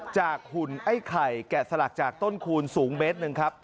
หุ่นไอ้ไข่แกะสลักจากต้นคูณสูงเมตรหนึ่งครับ